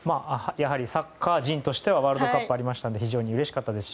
サッカー人としてはワールドカップがありましたので非常にうれしかったですし